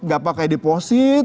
nggak pakai deposit